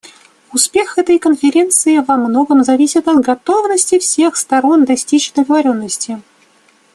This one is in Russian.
Успех этой Конференции во многом зависит от готовности всех сторон достичь договоренности.